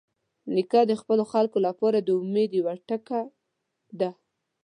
نیکه د خپلو خلکو لپاره د امید یوه ټکۍ ده.